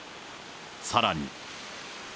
さらに。